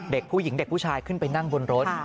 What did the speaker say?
เด็กผู้หญิงเด็กผู้ชายขึ้นไปนั่งบนรถ